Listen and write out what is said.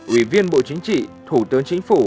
ủy viên bộ chính trị thủ tướng chính phủ